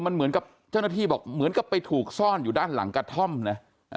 มันเหมือนกับเจ้าหน้าที่บอกเหมือนกับไปถูกซ่อนอยู่ด้านหลังกระท่อมนะ